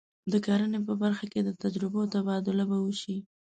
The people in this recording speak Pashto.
د کرنې په برخه کې د تجربو تبادله به وشي.